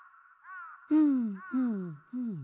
ふんふんふん。